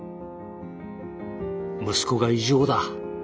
「息子が異常だ」